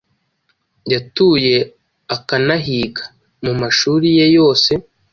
yatuye akanahiga mumashuriye yose